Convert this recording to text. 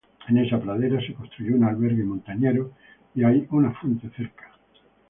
En esta pradera se construyó un albergue montañero y hay una fuente cerca.